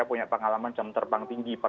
punya pengalaman jam terbang tinggi